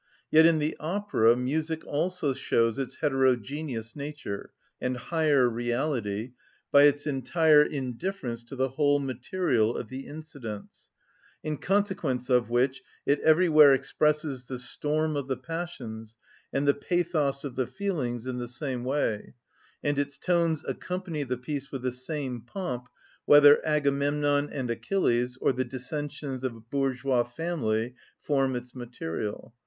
Yet in the opera music also shows its heterogeneous nature and higher reality by its entire indifference to the whole material of the incidents; in consequence of which it everywhere expresses the storm of the passions and the pathos of the feelings in the same way, and its tones accompany the piece with the same pomp, whether Agamemnon and Achilles or the dissensions of a bourgeois family form its material.